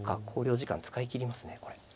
考慮時間使い切りますねこれ。